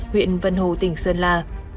huyện vân hồ tỉnh sơn la